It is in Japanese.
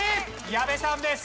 矢部さんです。